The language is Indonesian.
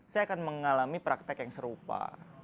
saya akan mengalami praktek yang serupa